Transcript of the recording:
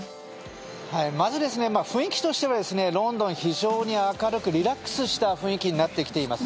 まず、雰囲気としてはロンドン、非常に明るくリラックスした雰囲気になってきています。